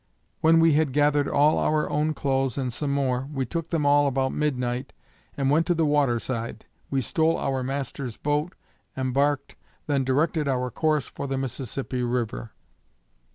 When we had gathered all our own clothes and some more, we took them all about midnight, and went to the water side. We stole our master's boat, embarked, then directed our course for the Mississippi river.